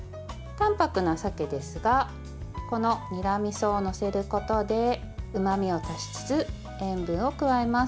淡泊なさけですがこのにらみそを載せることでうまみを足しつつ塩分を加えます。